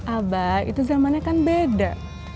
aba itu zamannya kan beda